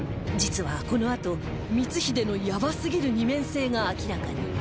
実はこのあと光秀のやばすぎる二面性が明らかに